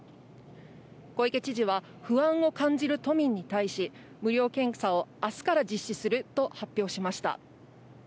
小池知事は、不安を感じる都民に対し、無料検査をあすから実施すると発表しました。